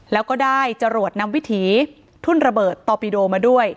แล้วก็ได้จรวดนำวิถีทุ่นระเบิดตอปิโดมาด้วย